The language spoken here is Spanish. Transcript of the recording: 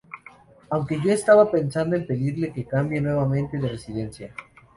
Aunque yo estaba pensando en pedirle que cambie nuevamente de residencia.